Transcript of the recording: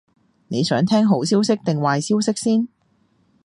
你想聽好消息定壞消息先？